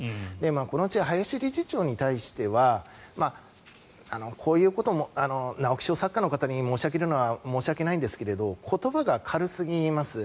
このうち、林理事長に対してはこういうことを直木賞作家の方に申し上げるのは申し訳ないんですが言葉が軽すぎます。